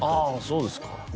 そうですか